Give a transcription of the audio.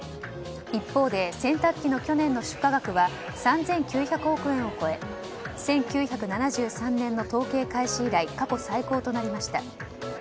一方で、洗濯機の去年の出荷額は３９００億円を超え１９７３年の統計開始以来過去最高となりました。